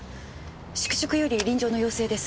宿直より臨場の要請です。